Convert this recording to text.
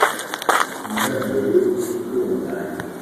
ku muhengeri utunganye. '